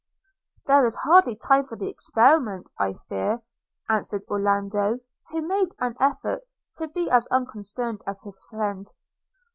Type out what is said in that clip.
'There is hardly time for the experiment, I fear,' answered Orlando; who made an effort to be as unconcerned as his friend.